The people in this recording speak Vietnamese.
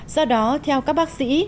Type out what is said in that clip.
do đó theo các bác sĩ